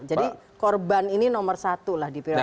jadi korban ini nomor satu lah di prioritas